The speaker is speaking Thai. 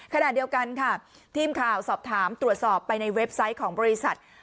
ขณะเดียวกันค่ะทีมข่าวสอบถามตรวจสอบไปในเว็บไซต์ของบริษัท